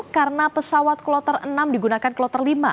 karena pesawat kloter enam digunakan kloter lima